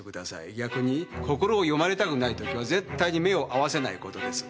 逆に心を読まれたくないときは絶対に目を合わせないことです。